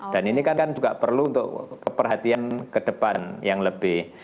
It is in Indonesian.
ini kan juga perlu untuk keperhatian ke depan yang lebih